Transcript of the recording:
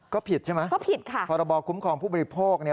ก็ผิดใช่ไหมขอบบงว่าคุ้มของผู้บริโภคก็ผิดค่ะ